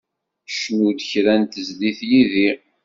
Cnu-d kra n tezlit yid-i.